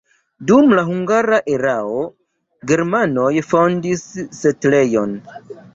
Dum la hungara erao germanoj fondis setlejon.